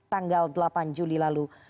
tanggal delapan juli lalu